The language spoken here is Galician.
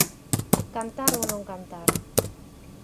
Cantar ou non cantar?